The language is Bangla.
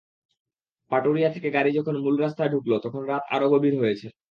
পাটুরিয়া থেকে গাড়ি যখন মূল রাস্তায় ঢুকল, তখন রাত আরও গভীর হয়েছে।